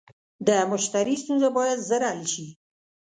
د مشتری ستونزه باید ژر حل شي.